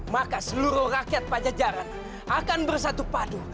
maka seluruh rakyat pajajaran akan bersatu padu